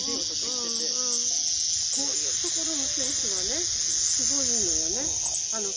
こういうところのセンスがねすごいいいのよね。